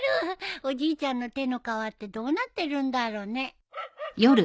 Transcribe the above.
おじいちゃんの手の皮ってどうなってるんだろうね。